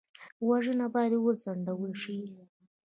وژنه باید وځنډول شي